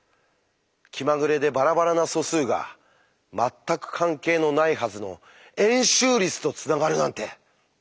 気まぐれでバラバラな素数が全く関係のないはずの円周率とつながるなんてすごい！